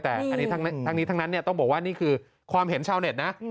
แต่อันนี้ทั้งนี้ทั้งนั้นต้องบอกว่านี่คือความเห็นชาวเน็ตนะ